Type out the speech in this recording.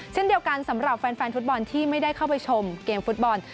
เช่นเดียวกันสำหรับแฟนฟุตบอลที่ไม่ได้เข้าไปชมเกมฟุตบอล